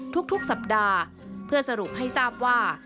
ทุกสัปดาห์เพื่อสรุปให้ทราบว่า